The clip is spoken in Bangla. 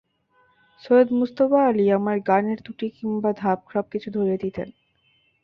সৈয়দ মুজতবা আলী আমার গানের ত্রুটি কিংবা ধাপ সবকিছু ধরিয়ে দিতেন।